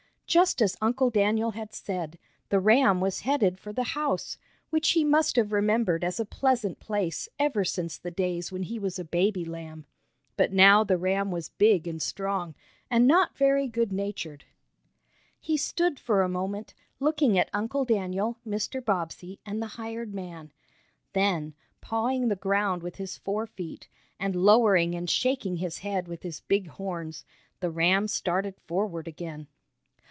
Just as Uncle Daniel had said, the ram was headed for the house, which he must have remembered as a pleasant place ever since the days when he was a baby lamb. But now the ram was big and strong, and not very good natured. He stood for a moment, looking at Uncle Daniel, Mr. Bobbsey and the hired man. Then, pawing the ground with his fore feet, and lowering and shaking his head with its big horns, the ram started forward again.